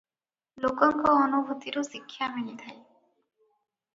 ଲୋକଙ୍କ ଅନୁଭୂତିରୁ ଶିକ୍ଷା ମିଳିଥାଏ ।